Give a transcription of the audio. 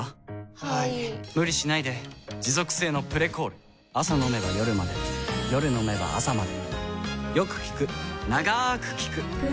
はい・・・無理しないで持続性の「プレコール」朝飲めば夜まで夜飲めば朝まで